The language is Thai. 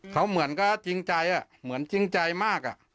เขาเหมือนก็จริงใจเหมือนจริงใจมาก